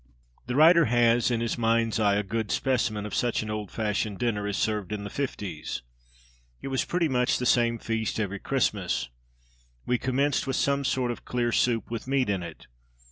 The writer has in his mind's eye a good specimen of such an old fashioned dinner, as served in the fifties. It was pretty much the same feast every Christmas. We commenced with some sort of clear soup, with meat in it.